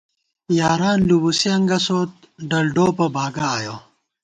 یاران لُبُوسی انگَسوت ، ڈل ڈوپہ باگہ آیَہ